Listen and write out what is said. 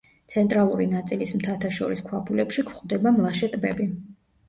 ცენტრალური ნაწილის მთათაშორის ქვაბულებში გვხვდება მლაშე ტბები.